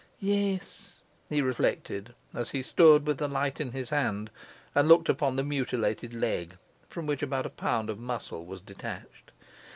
'Yes,' he reflected, as he stood with the light in his hand and looked upon the mutilated leg, from which about a pound of muscle was detached.